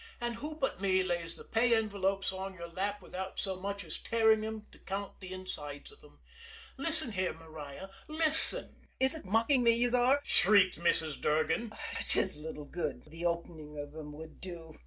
"And who but me lays the pay envelopes on your lap without so much as tearing 'em to count the insides of 'em? Listen here, Maria, listen " "Is ut mocking me, yez are!" shrieked Mrs. Durgan. "'Tis little good the opening av 'em would do!